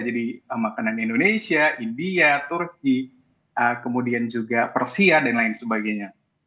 jadi makanan indonesia india turki kemudian juga persia dan lain sebagainya